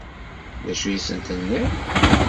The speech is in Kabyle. D acu i sen-tenniḍ?